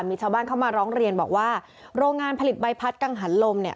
มีชาวบ้านเข้ามาร้องเรียนบอกว่าโรงงานผลิตใบพัดกังหันลมเนี่ย